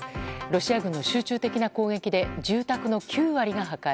ロシア軍の集中的な攻撃で住宅の９割が破壊。